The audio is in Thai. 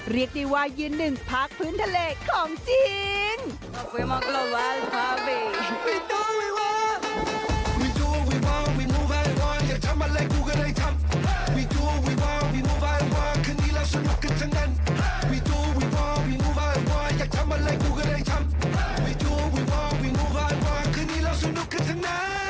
เรียกได้ว่ายืนหนึ่งภาคพื้นทะเลของจริง